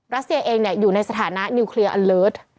รัสเซียเองอยู่ในสถานะนิวเคลียร์อันเลิศ